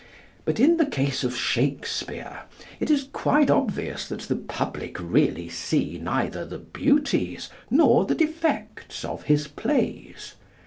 But in the case of Shakespeare it is quite obvious that the public really see neither the beauties nor the defects of his plays.